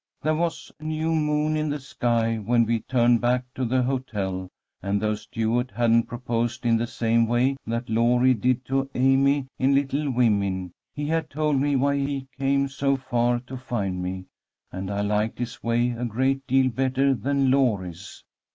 There was a new moon in the sky when we turned back to the hotel, and, though Stuart hadn't proposed in the same way that Laurie did to Amy in "Little Women," he had told me why he came so far to find me, and I liked his way a great deal better than Laurie's.